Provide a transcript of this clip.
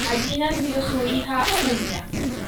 Allí nació su hija Hulda.